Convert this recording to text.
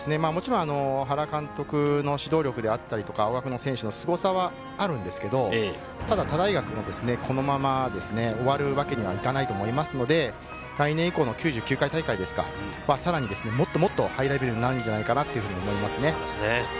原監督の指導力であったり、青学の選手のすごさはあるんですけれど、他の大学もこのまま終わるわけにはいかないと思いますので、来年以降さらにもっともっとハイレベルになるのではないかと思います。